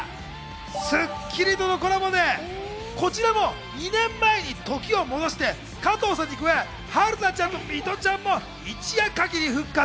『スッキリ』とのコラボでこちらも２年前に時を戻して、加藤さんに加え、春菜ちゃんにミトちゃんも一夜限り復活。